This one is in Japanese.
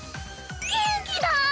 元気だ！